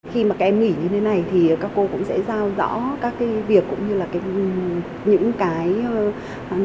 khi mà các em nghỉ như thế này thì các cô cũng sẽ giao rõ các cái việc cũng như là những cái